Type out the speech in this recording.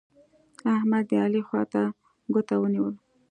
احمد؛ د علي خوا ته ګوته ونيول.